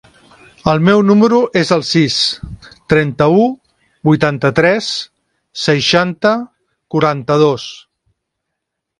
El meu número es el sis, trenta-u, vuitanta-tres, seixanta, quaranta-dos.